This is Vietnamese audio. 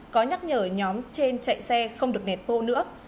có nhắc nhở nhóm trên chạy xe không được nẹt bô nữa